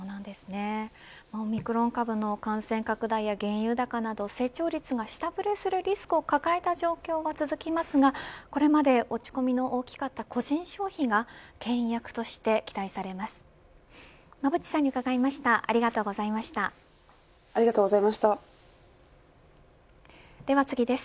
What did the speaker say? オミクロン株の感染拡大や原油高など成長率が下振れするリスクを抱えた状況は続きますがこれまで落ち込みの大きかった個人消費がけん引役として期待されます。